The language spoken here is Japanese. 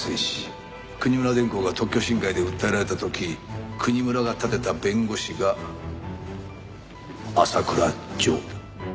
国村電工が特許侵害で訴えられた時国村が立てた弁護士が浅倉譲だ。